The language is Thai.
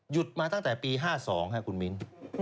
มาตั้งแต่ปี๕๒ครับคุณมิ้น